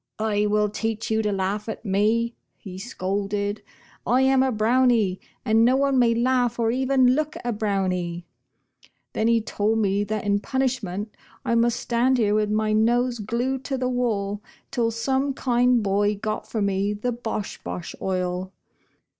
'I will teach you to laugh at me,' he scolded. 'I am a Brownie, and no one may laugh or even look at a Brownie.' Then he told me that in punishment I must stand here with my nose glued to the wall till some kind boy got for me the ' Bosh Bosh Oil.'